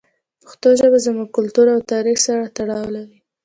پښتو ژبه زموږ کلتور او تاریخ سره تړاو لري.